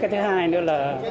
cái thứ hai nữa là